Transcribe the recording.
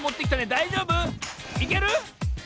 だいじょうぶ？いける？